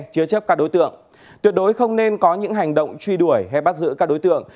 chứa chấp các đối tượng tuyệt đối không nên có những hành động truy đuổi hay bắt giữ các đối tượng